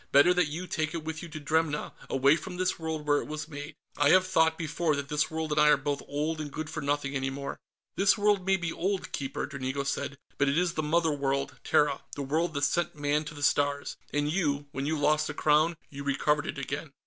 Better that you take it with you to Dremna, away from this world where it was made. I have thought, before, that this world and I are both old and good for nothing any more." "This world may be old, Keeper," Dranigo said, "but it is the Mother World, Terra, the world that sent Man to the Stars. And you when you lost the Crown, you recovered it again."